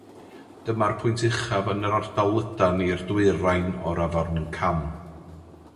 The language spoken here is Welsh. Dyma'r pwynt uchaf yn yr ardal lydan i'r dwyrain o'r Afon Cam.